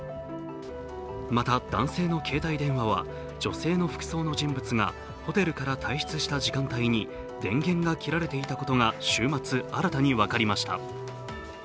また、男性の携帯電話は女性の服装の人物がホテルから退出した時間帯に電源が切られていたことが週末、新たに分かりました。